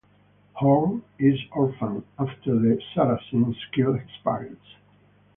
Horn is orphaned after the Saracens kill his parents.